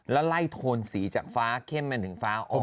ไล่โทนสีจากฟ้าเข้มมาถึงฟ้าอ่อน